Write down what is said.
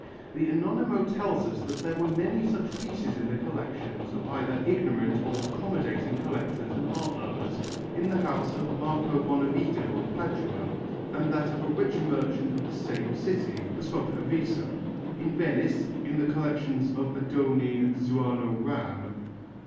The Anonimo tells us that there were many such pieces in the collections of either ignorant or accommodating collectors and art lovers, in the house of Marco Bonavido of Padua, and that of a rich merchant of the same city, the sculptor Alviso; in Venice, in the collections of Odoni and Zuanno Ram.